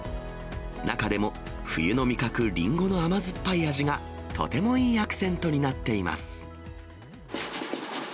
中でも冬の味覚、りんごの甘酸っぱい味が、とてもいいアクセントになっています。